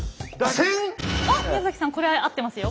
おっ宮崎さんこれ合ってますよ。